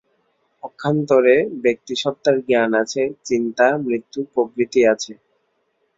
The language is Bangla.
পক্ষান্তরে ব্যক্তিসত্তার জ্ঞান আছে, চিন্তা, মৃত্যু প্রভৃতি আছে।